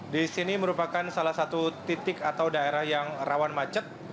di sini merupakan salah satu titik atau daerah yang rawan macet